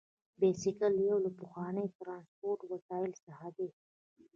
بایسکل یو له پخوانیو ترانسپورتي وسایلو څخه دی.